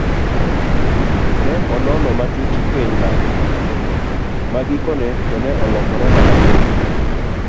Ne onono matut keny margi magikone to ne olokore mana koko.